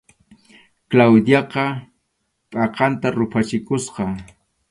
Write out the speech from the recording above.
Claudiaqa phakanta ruphachikusqa.